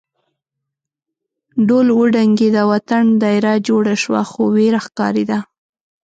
ډول وډنګېد او اتڼ دایره جوړه شوه خو وېره ښکارېده.